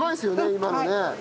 今のね。